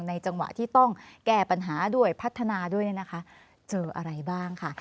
จังหวะที่ต้องแก้ปัญหาด้วยพัฒนาด้วยเนี่ยนะคะเจออะไรบ้างค่ะ